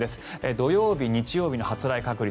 土曜日、日曜日の発雷確率。